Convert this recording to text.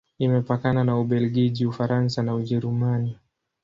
Imepakana na Ubelgiji, Ufaransa na Ujerumani.